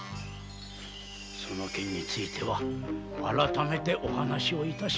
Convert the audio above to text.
その件については改めてお話しましょう。